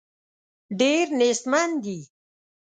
ډېر نېستمن دي.